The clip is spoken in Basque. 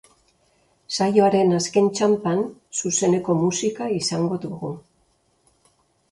Saioaren azken txanpan, zuzeneko musika izango dugu.